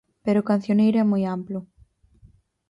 Pero o cancioneiro é moi amplo.